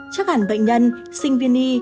chắc hẳn bệnh nhân sinh viên y